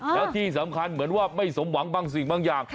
แล้วที่สำคัญเหมือนว่าไม่สมหวังบางสิ่งบางอย่าง